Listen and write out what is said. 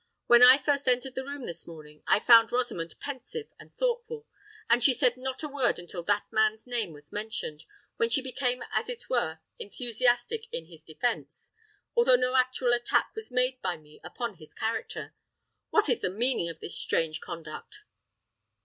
When I first entered the room this morning, I found Rosamond pensive and thoughtful; and she said not a word until that man's name was mentioned, when she became as it were enthusiastic in his defence, although no actual attack was made by me upon his character. What is the meaning of this strange conduct?"